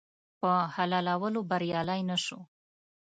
په حلولو بریالی نه شو.